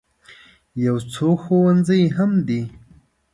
یو څو ښوونځي هم دي.